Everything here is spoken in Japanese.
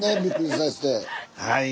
はい。